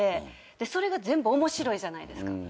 それが全部面白いじゃないですか。